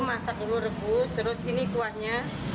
masak dulu rebus terus ini kuahnya